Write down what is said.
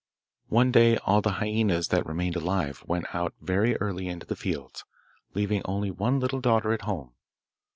One day all the hyaenas that remained alive went out very early into the fields, leaving only one little daughter at home.